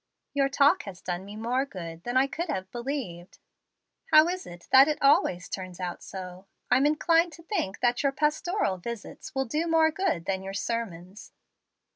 Your talk has done me more good than I could have believed. How is it that it always turns out so? I'm inclined to think that your pastoral visits will do more good than your sermons."